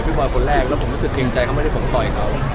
ผมเป็นคนแรกแล้วผมก็เกี่ยงใจเข้าไปที่ผมต่อยเขา